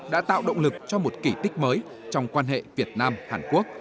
đã tạo động lực cho một kỷ tích mới trong quan hệ việt nam hàn quốc